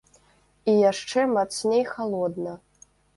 І яшчэ мацней халодна.